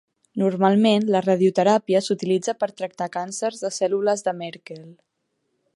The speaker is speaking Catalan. Normalment, la radioteràpia s'utilitza per tractar càncers de cèl·lules de Merkel.